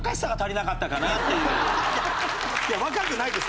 いや若くないですから。